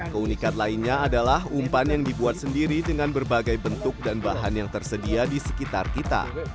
keunikan lainnya adalah umpan yang dibuat sendiri dengan berbagai bentuk dan bahan yang tersedia di sekitar kita